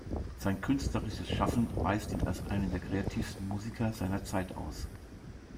Sein künstlerisches Schaffen weist ihn als einen der kreativsten Musiker seiner Zeit aus.